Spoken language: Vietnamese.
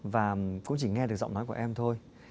và cũng chỉ nghe được giọng nói của em thôi